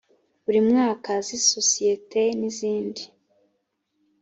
buri mwaka z isosiyete n izindi